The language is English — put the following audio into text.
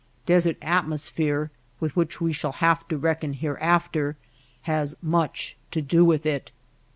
Desert atmosphere, with which we shall have to reckon hereafter, has much to do with it.